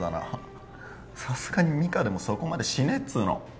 さすがにミカでもそこまでしねえっつうの。